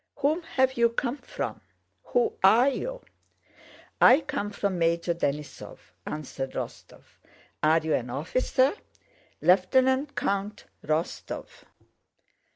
"Whom have you come from? Who are you?" "I come from Major Denísov," answered Rostóv. "Are you an officer?" "Lieutenant Count Rostóv."